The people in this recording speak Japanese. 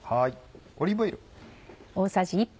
オリーブオイル。